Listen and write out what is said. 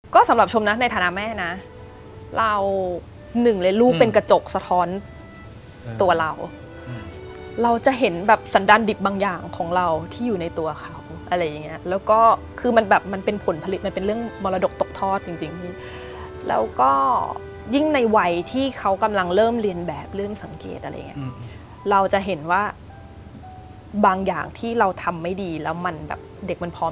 ก็สำหรับชมนะในฐานะแม่นะเราหนึ่งเลยลูกเป็นกระจกสะท้อนตัวเราเราจะเห็นแบบสันดันดิบบางอย่างของเราที่อยู่ในตัวเขาอะไรอย่างเงี้ยแล้วก็คือมันแบบมันเป็นผลผลิตมันเป็นเรื่องมรดกตกทอดจริงพี่แล้วก็ยิ่งในวัยที่เขากำลังเริ่มเรียนแบบเริ่มสังเกตอะไรอย่างเงี้ยเราจะเห็นว่าบางอย่างที่เราทำไม่ดีแล้วมันแบบเด็กมันพร้อม